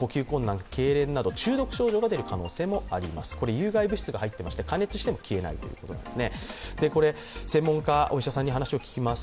有害物質が入っていまして加熱しても消えないということです。